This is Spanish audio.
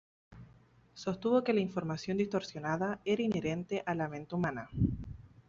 Sostuvo que la información distorsionada era inherente a la mente humana.